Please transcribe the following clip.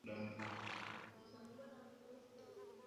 prentice alinusurika ajali nyingine ya meli